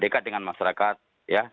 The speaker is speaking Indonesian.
dekat dengan masyarakat ya